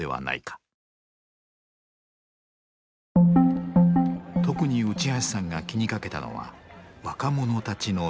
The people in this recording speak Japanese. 特に内橋さんが気にかけたのは若者たちの未来でした。